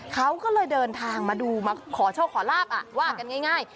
เขาก็เลยเดินทางมาดูมาขอโชคขอลาบว่ากันง่าย